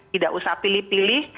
tidak usah pilih pilih